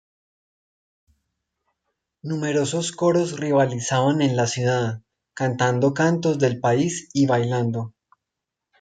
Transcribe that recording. Numerosos coros rivalizaban en la ciudad, cantando cantos del país y bailando.